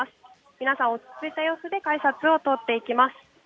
皆さん、落ち着いた様子で改札を通っていきます。